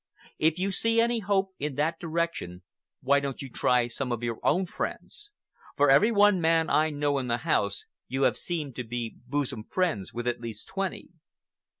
If you see any hope in that direction, why don't you try some of your own friends? For every one man I know in the House, you have seemed to be bosom friends with at least twenty."